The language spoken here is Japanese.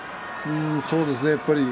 そうですね。